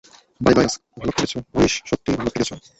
By, bye আজ ভালো খেলেছো, হরিশ, সত্যিই ভালো খেলেছ।